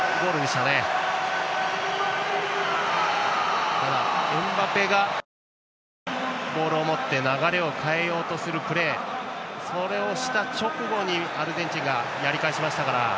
ただエムバペがボールを持って流れを変えようとするプレーそれをした直後にアルゼンチンがやり返したので。